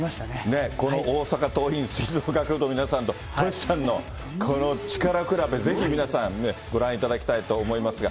ね、この大阪桐蔭吹奏楽部の皆さんとＴｏｓｈｌさんのこの力比べ、ぜひ皆さん、ご覧いただきたいと思いますが。